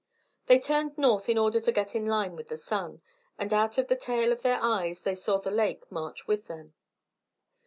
They turned north in order to get in line with the sun; and out of the tail of their eyes they saw the lake march with them.